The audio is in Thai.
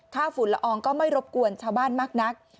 ฝุ่นละอองก็ไม่รบกวนชาวบ้านมากนัก